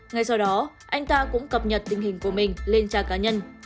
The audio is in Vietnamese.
ngay sau đó anh ta cũng cập nhật tình hình của mình lên trang cá nhân